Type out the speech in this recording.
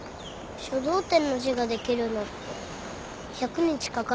書道展の字ができるのって１００日かかる？